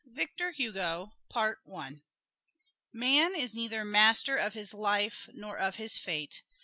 VICTOR HUGO Man is neither master of his life nor of his fate.